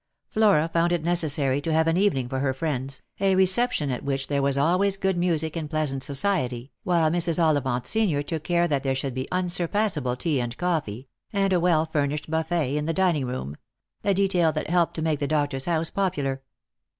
Flora found it necessary to have an evening for her friends, a reception at which there was always good music and pleasant society, while Mrs. Ollivant senior took care that there should be unsurpassable tea and coffee, and a well furnished buffet in the dining room; a detail that helped to make the doctor's house popular.